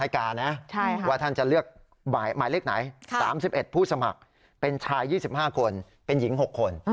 ว่าท่านจะเลือกหมายเลขไหน๓๑ผู้สมัครเป็นชาย๒๕คนเป็นหญิง๖คน